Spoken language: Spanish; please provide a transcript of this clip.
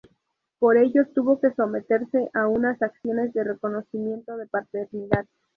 Por ello tuvo que someterse a unas acciones de reconocimiento de paternidad.